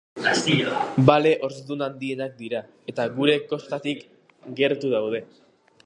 Bale horzdun handienak dira, eta gure kostatik gertu daude.